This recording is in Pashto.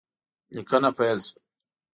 لیکنه پیل شوه